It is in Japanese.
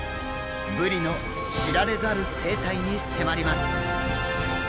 ブリの知られざる生態に迫ります。